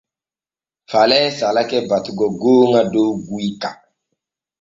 Falee salake batugo gooŋa dow guyka.